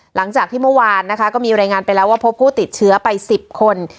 หลังจากที่เมื่อวานนะคะก็มีรายงานไปแล้วว่าพบผู้ติดเชื้อไป๑๐คน